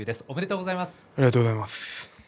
おめでとうございます。